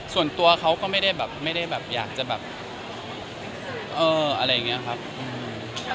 ส่วนตัวเขาก็ไม่ได้แบบไม่ได้แบบอยากจะแบบเอออะไรอย่างเงี้ยครับอืม